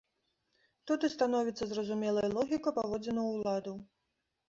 Тут і становіцца зразумелай логіка паводзінаў уладаў.